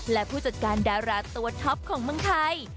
และผู้จัดการดาราตัวท็อปของเมืองไทย